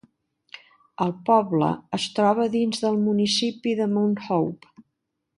El poble es troba dins del municipi de Mount Hope.